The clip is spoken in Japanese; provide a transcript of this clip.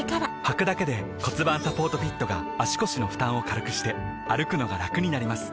はくだけで骨盤サポートフィットが腰の負担を軽くして歩くのがラクになります